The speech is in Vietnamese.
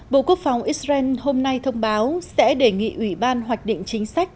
bộ quốc phòng israel hôm nay thông báo sẽ đề nghị ủy ban hoạch định chính sách